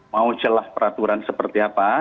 mau celah peraturan seperti apa